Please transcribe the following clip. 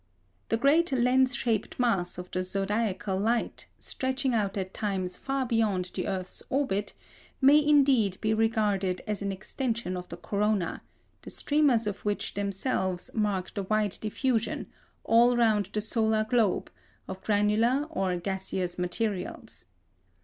The great lens shaped mass of the zodiacal light, stretching out at times far beyond the earth's orbit, may indeed be regarded as an extension of the corona, the streamers of which themselves mark the wide diffusion, all round the solar globe, of granular or gaseous materials.